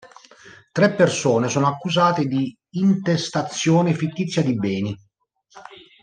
Tre persone sono accusate di intestazione fittizia di beni.